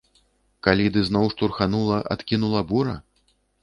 Калі ды зноў штурханула, адкінула бура?